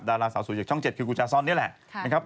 ดาราสาวสวยจากช่อง๗คือกูจาซ่อนนี่แหละนะครับ